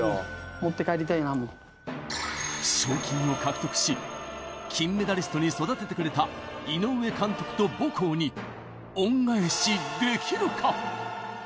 持って帰りたいなもう賞金を獲得し金メダリストに育ててくれた井上監督と母校に恩返しできるか？